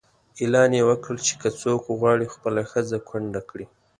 اعلان یې وکړ چې که څوک غواړي خپله ښځه کونډه کړي.